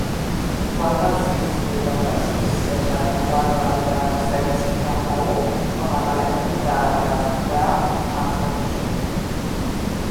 Guarda el sis, vuitanta-sis, seixanta-quatre, vuitanta-set, cinquanta-u com a telèfon de l'Achraf Afonso.